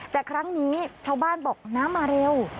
แต่ครั้งนี้ชาวบ้านบอกน้ำมาเร็ว